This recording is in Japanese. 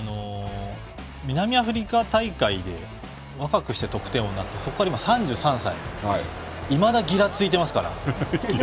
南アフリカ大会で若くして得点王になってそこから今、３３歳いまだ、ぎらついていますから。